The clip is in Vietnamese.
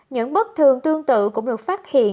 những bất thường tương tự cũng được phát triển